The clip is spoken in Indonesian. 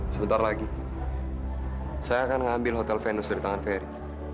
sebentar lagi saya akan mengambil hotel venus dari tangan ferry